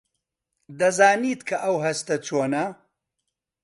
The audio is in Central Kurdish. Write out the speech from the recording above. دەزانیت کە ئەو هەستە چۆنە؟